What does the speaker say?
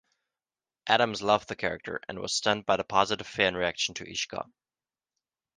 Adams loved the character, and was stunned by the positive fan reaction to Ishka.